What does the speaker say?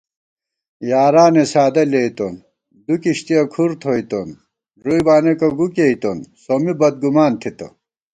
یارانےسادہ لېئیتون دُو کِشتِیَہ کھُر تھوئیتوں ݫُوئی بانېکہ گُو کېئیتون سومی بدگُمان تھِتہ